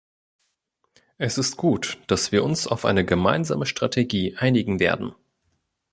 Es ist gut, dass wir uns auf eine gemeinsame Strategie einigen werden.